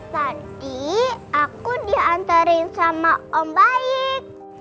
tadi aku diantarin sama om baik